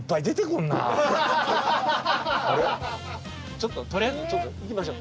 ちょっととりあえず行きましょう。